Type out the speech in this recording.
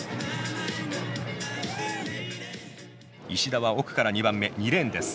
石田は奥から２番目２レーンです。